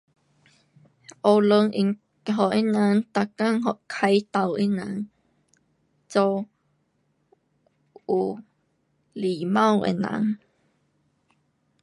学堂应给他人，每天开导他人做有礼貌的人。